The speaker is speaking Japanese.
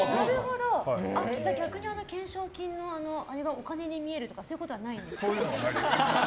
逆に懸賞金のあれがお金に見えるとかそういうのはないです。